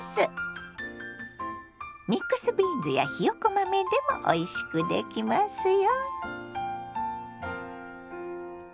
ミックスビーンズやひよこ豆でもおいしくできますよ。